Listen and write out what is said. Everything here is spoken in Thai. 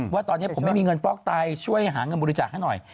ว่าตอนนี้ผมไม่มีเงินฟอกไตช่วยหาเงินบริจาคให้หน่อย